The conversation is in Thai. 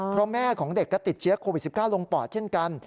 เพราะแม่ของเด็กก็ติดเชื้อโควิด๑๙ลงปอดเช่นกัน